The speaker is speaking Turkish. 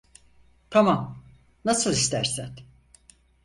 Tamam, nasıl istersen.